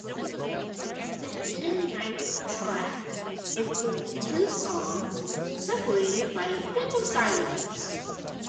The hidden ninth track includes two songs separated by a bit of silence.